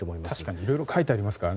いろいろ書いてありますからね。